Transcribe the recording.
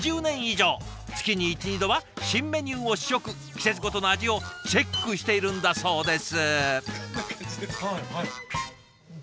月に１２度は新メニューを試食季節ごとの味をチェックしているんだそうです。